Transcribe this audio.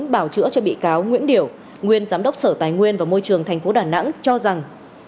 bảo chữa cho bị cáo nguyễn điểu nguyên giám đốc sở tài nguyên và môi trường tp đà nẵng cho rằng